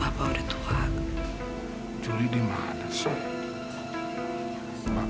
awas krija seseorang